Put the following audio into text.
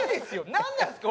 なんなんですか？